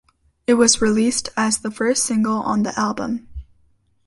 It was released as the first single on the album.